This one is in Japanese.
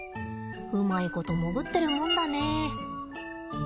うまいこと潜ってるもんだね。